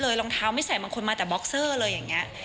รองเท้าไม่ใส่บางคนมาแต่บ็อกเซอร์เลยอย่างนี้